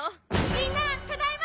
みんなただいま！